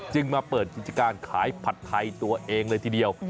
มาเปิดกิจการขายผัดไทยตัวเองเลยทีเดียว